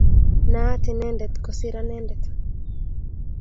Nayat inendet kosir anendet